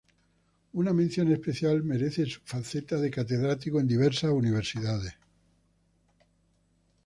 Una mención especial merece su faceta de catedrático en diversas universidades.